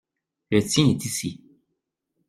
Le tien est ici.